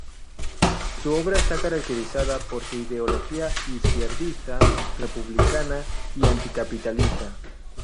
Su obra está caracterizada por su ideología izquierdista, republicana y anticapitalista.